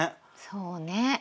そうね。